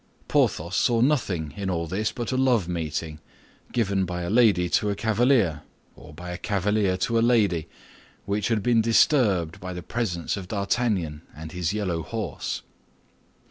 Porthos saw nothing in all this but a love meeting, given by a lady to a cavalier, or by a cavalier to a lady, which had been disturbed by the presence of D'Artagnan and his yellow horse.